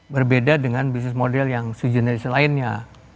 berbeda dengan bisnis model yang si generies lainnya